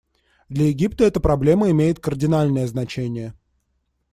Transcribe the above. Для Египта эта проблема имеет кардинальное значение.